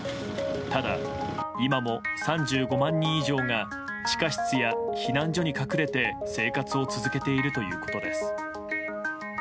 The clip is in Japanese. ただ、今も３５万人以上が地下室や避難所に隠れて生活を続けているということです。